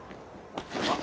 あっ！